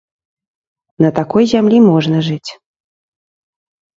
На такой зямлі можна жыць.